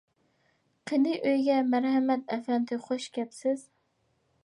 قېنى، ئۆيگە مەرھەمەت، ئەپەندى. خۇش كەپسىز.